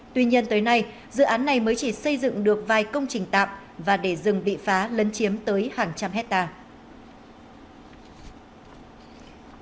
tuy nhiên tới nay dự án này mới chỉ xây dựng được vài công trình tạm và để rừng bị phá lấn chiếm tới hàng trăm hectare